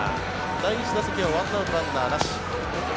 第１打席は１アウト、ランナーなし。